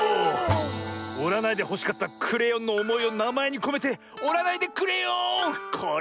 おらないでほしかったクレヨンのおもいをなまえにこめて「おらないでくれよん」これはすばらしい。